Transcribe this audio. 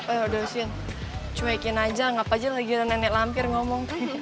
eh udah sini cuekin aja ngapain lagi lo nene lampir ngomong